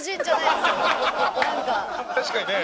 確かにね。